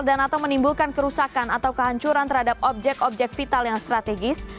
dan atau menimbulkan kerusakan atau kehancuran terhadap objek objek vital yang strategis